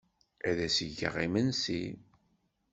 Ad ak-d-geɣ imensi?